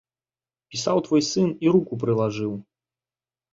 Пісаў твой сын і руку прылажыў.